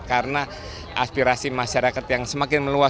karena aspirasi masyarakat yang semakin meluas